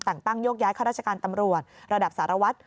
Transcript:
ต่างยกย้ายข้าราชการตำรวจระดับสารวัฒน์